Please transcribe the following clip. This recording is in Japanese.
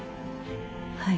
はい。